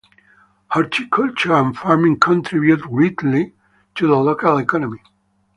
Horticulture and farming contribute greatly to the local economy.